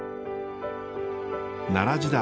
奈良時代